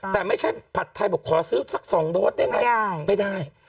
แต่ไม่ใช่ผัดไทยบอกขอซื้อสัก๒โดสได้ไหมไม่ได้